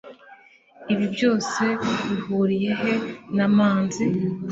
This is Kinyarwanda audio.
Ibi byose bihuriye he na manzi?